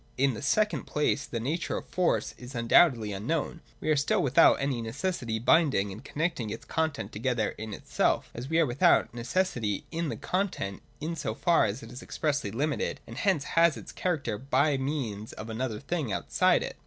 In the second place the nature of Force is un doubtedly unknown : we are still without any necessity binding and connecting its content together in itself, as we are without necessity in the content, in so far as it is expressly limited and hence has its character by means of another thing outside it.